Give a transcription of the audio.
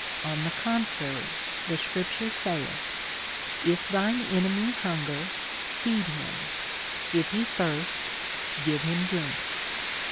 On the contrary, the scripture saith, //■ thy enemy hunger, feed him ; if he thirsty give him drink.